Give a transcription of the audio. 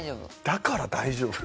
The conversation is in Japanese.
「だから大丈夫」？